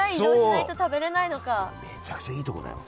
めちゃくちゃいいとこだよ。